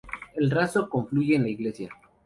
El rastro confluye en la iglesia.